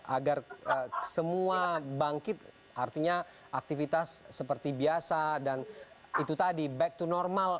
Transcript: agar semua bangkit artinya aktivitas seperti biasa dan itu tadi back to normal